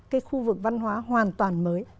cái khu vực văn hóa hoàn toàn mới